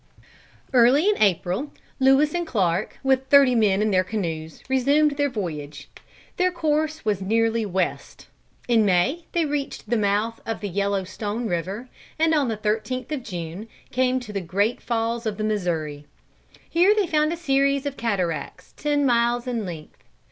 Early in April, Lewis and Clark, with thirty men in their canoes, resumed their voyage. Their course was nearly west. In May they reached the mouth of the Yellow Stone river, and on the 13th of June came to the Great Falls of the Missouri. Here they found a series of cataracts ten miles in length.